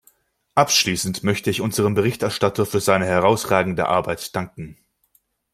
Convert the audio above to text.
Abschließend möchte ich unserem Berichterstatter für seine herausragende Arbeit danken.